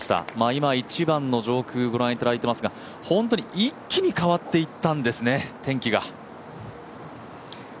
今、１番の上空ご覧いただいていますが本当に一気に変わっていったんですね、天気が。